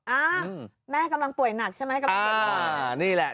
อ่ะแม่กำลังป่วยหนักใช่ไหม